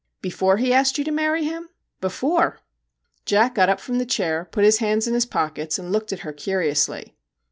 ' Before he asked you to marry him ?' 1 Before/ Jack got up from his chair, put his hands in his pockets, and looked at her curiously.